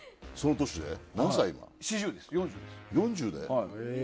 その年で？